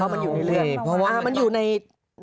ยังไม่อยู่ในร่างกายใช่ไหมคะ